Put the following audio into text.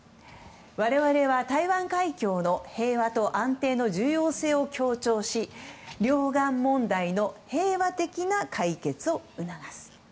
我々は台湾海峡の平和と安定の重要性を強調し両岸問題の平和的な解決を促す。